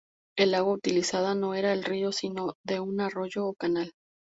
El agua utilizada no era del río sino de un arroyo o canal.